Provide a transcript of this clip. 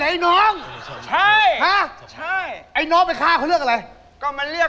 อันนี้ลูกทีมคุณนี่